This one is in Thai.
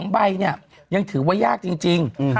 ๒ใบเนี่ยยังถือว่ายากจริง